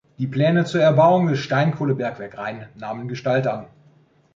Die Pläne zur Erbauung des Steinkohlenbergwerk Rhein nahmen Gestalt an.